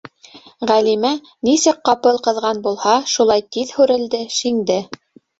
Ғәлимә, нисек ҡапыл ҡыҙған булһа, шулай тиҙ һүрелде, шиңде.